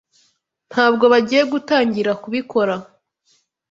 Ntabwo bagiyegutangira kubikora.